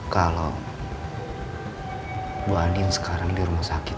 kalau bu adin sekarang di rumah sakit